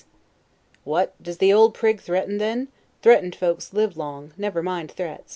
Englishman. What, does the old prig threaten then? threatened folks live long; never mind threats.